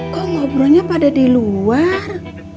kok ngobrolnya pada di luar